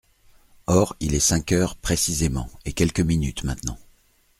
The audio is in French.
Or, il est cinq heures précisément, et quelques minutes maintenant.